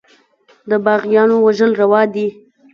د باغيانو وژل روا دي.